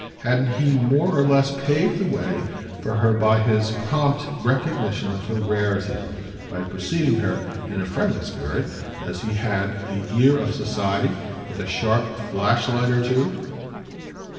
Hadn't he more or less paved the way for her by his prompt recognition of her rarity, by preceding her, in a friendly spirit as he had the "ear" of society with a sharp flashlight or two?